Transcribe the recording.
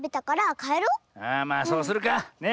ああまあそうするか。ね。